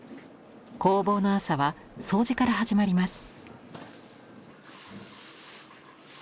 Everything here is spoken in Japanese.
工房の朝は掃除から始まります。